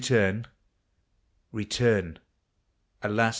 Return! alas!